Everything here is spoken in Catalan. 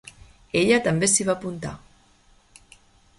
Ella també s'hi va apuntar.